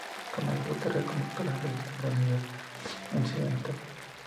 Comenzó su carrera como actor de radio a temprana edad en su ciudad natal.